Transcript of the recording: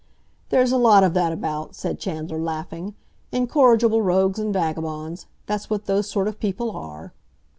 "There's a lot of that about," said Chandler, laughing. "Incorrigible rogues and vagabonds—that's what those sort of people are!"